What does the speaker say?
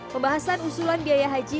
pembahasan usulan biaya haji